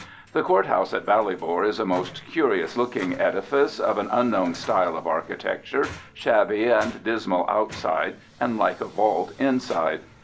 The court house at Ballybor is a most curious looking edifice of an unknown style of architecture, shabby and dismal outside and like a vault inside.